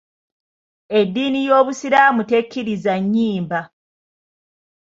Eddiini y'obusiraamu tekkiriza nnyimba.